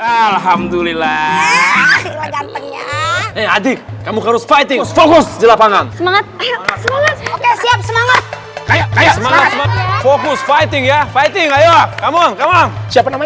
alhamdulillah adik kamu harus fighting fokus di lapangan semangat semangat semangat semangat